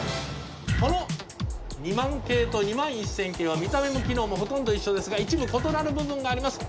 この２００００系と２１０００系は見た目も機能もほとんど一緒ですが一部異なる部分があります。